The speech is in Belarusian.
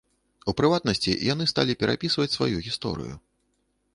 У прыватнасці, яны сталі перапісваць сваю гісторыю.